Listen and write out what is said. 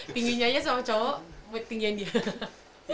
tingginya sama cowok cowok tingginya dia